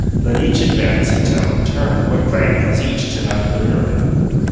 Let each advance and tell in turn What claim has each to knighthood earn."